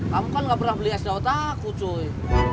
kamu kan gak pernah beli sdotaku cuy